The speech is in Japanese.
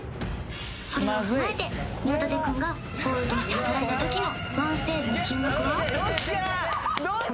それを踏まえて宮舘君がコールとして働いた時の１ステージの金額は？